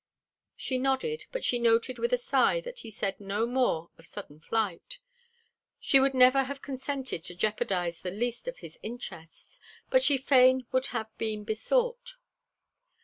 She nodded, but she noted with a sigh that he said no more of sudden flight. She would never have consented to jeopardize the least of his interests, but she fain would have been besought.